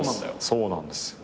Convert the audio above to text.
そうなんですよ。